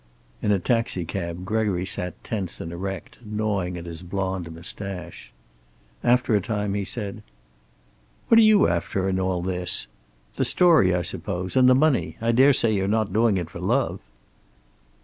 In a taxicab Gregory sat tense and erect, gnawing at his blond mustache. After a time he said: "What are you after, in all this? The story, I suppose. And the money. I daresay you're not doing it for love."